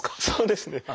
そうですね。